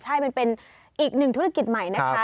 ใช่มันเป็นอีกหนึ่งธุรกิจใหม่นะคะ